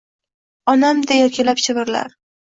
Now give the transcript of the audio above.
onamday erkalab shivirlar